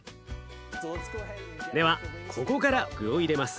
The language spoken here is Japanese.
ではここから具を入れます。